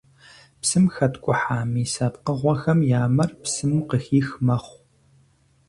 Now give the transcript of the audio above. Псым хэткӀухьа мис а пкъыгъуэхэм я мэр псым къыхих мэхъу.